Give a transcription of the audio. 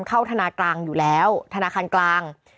ธนากลางอยู่แล้วธนาคารกลาง